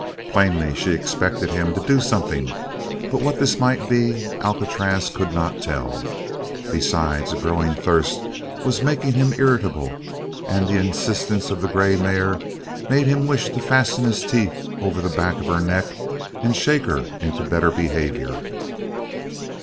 Plainly she expected him to do something, but what this might be Alcatraz could not tell. Besides, a growing thirst was making him irritable and the insistence of the grey mare made him wish to fasten his teeth over the back of her neck and shake her into better behavior.